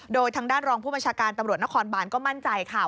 โดยทางด้านรองผู้บัญชาการตำรวจนครบานก็มั่นใจค่ะ